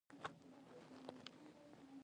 د کانونو استخراج کلي ده؟